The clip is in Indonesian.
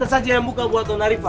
teteh saja yang buka gua tuh nona riva